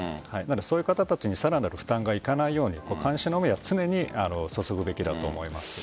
そういう方たちにさらなる負担がいかないように監視の目は常に注ぐべきだと思います。